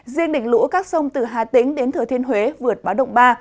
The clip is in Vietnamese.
riêng đỉnh lũ các sông từ hà tĩnh đến thừa thiên huế vượt báo động ba